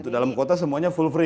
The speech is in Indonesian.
dalam kota semuanya full free